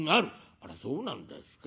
「あらそうなんですか。